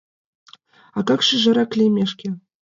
Акак-шӱжарак лиймешке